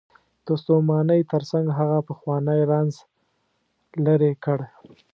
د ستومانۍ تر څنګ هغه پخوانی رنځ لرې کړ.